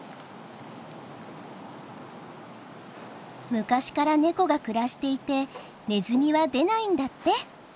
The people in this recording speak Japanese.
昔からネコが暮らしていてネズミは出ないんだって。